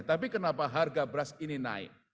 tapi kenapa harga beras ini naik